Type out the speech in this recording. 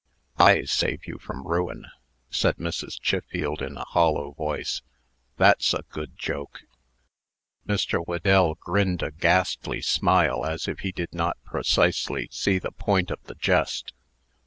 "I save you from ruin!" said Mrs. Chiffield, in a hollow voice. "That's a good joke!" Mr. Whedell grinned a ghastly smile, as if he did not precisely see the point of the jest.